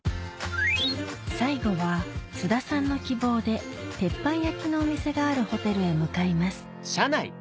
最後は津田さんの希望で鉄板焼きのお店があるホテルへ向かいます